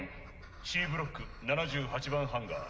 Ｃブロック７８番ハンガー。